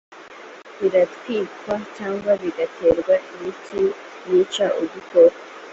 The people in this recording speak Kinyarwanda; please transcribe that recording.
biratwikwa cyangwa bigaterwa imiti yica udukoko